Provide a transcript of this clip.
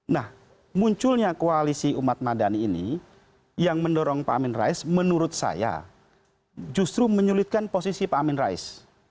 nah munculnya koalisi umat madani ini yang mendorong pak amin rais menurut saya justru menyulitkan posisi pak amin rais